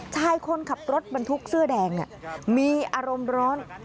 ชายคนขับรถบรรทุกเสื้อแดงมีอารมณ์ร้อน